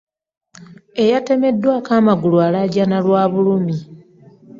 Eyatemeddwaako amagulu alajaana lwa bulumi.